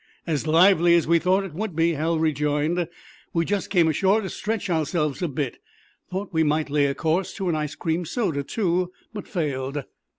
"As lively as we thought it would be," Hal rejoined. "We just came ashore to stretch ourselves a bit. Thought we might lay a course to an ice cream soda, too, but failed."